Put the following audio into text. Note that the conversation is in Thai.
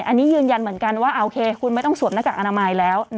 อันนี้ยืนยันเหมือนกันว่าโอเคคุณไม่ต้องสวมหน้ากากอนามัยแล้ว